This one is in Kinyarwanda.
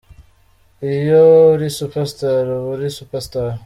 Iyo uri Super Star uba uri super Star….